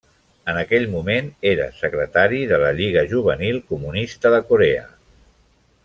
En aquell moment era secretari de la Lliga Juvenil Comunista de Corea.